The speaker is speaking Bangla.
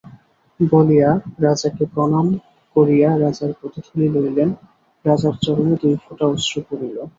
বলিয়া রাজাকে প্রণাম করিয়া রাজার পদধূলি লইলেন, রাজার চরণে দুই ফোঁটা অশ্রু পড়িল।